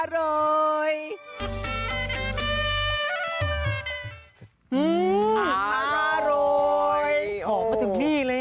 อร่อยออกมาถึงนี่เลย